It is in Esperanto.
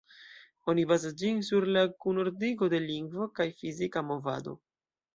Oni bazas ĝin sur la kunordigo de lingvo kaj fizika movado.